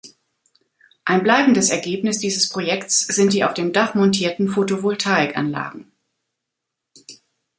Ein bleibendes Ergebnis dieses Projekts sind die auf dem Dach montierten Photovoltaikanlagen.